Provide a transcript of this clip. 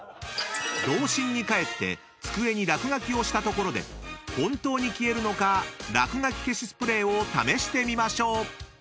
［童心に帰って机に落書きをしたところで本当に消えるのからくがき消しスプレーを試してみましょう］